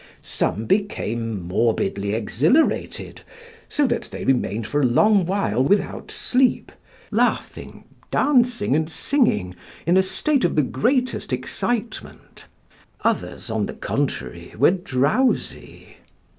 Some became morbidly exhilarated, so that they remained for a long while without sleep, laughing, dancing, and singing in a state of the greatest excitement. Others, on the contrary, were drowsy.